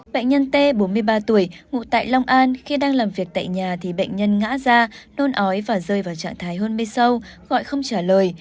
bệnh nhân t bốn mươi ba tuổi ngụ tại long an khi đang làm việc tại nhà thì bệnh nhân ngã ra nôn ói và rơi vào trạng thái hôn mê sâu gọi không trả lời